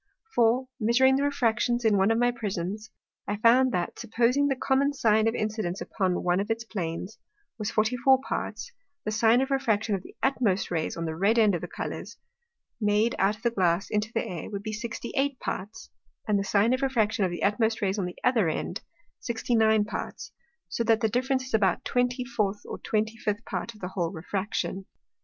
For, measuring the Refractions in one of my Prisms, I found, that, supposing the common Sine of Incidence upon one of its plains, was forty four Parts, the Sine of Refraction of the utmost Rays on the red end of the Colours, made out of the Glass into the Air, would be sixty eight parts, and the Sine of Refraction of the utmost Rays on the other end, sixty nine parts; so that the difference is about a twenty fourth or twenty fifth part of the whole Refraction.